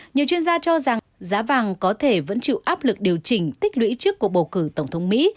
nhiều chuyên gia cho rằng giá vàng có thể vẫn chịu áp lực điều chỉnh tích lũy trước cuộc bầu cử tổng thống mỹ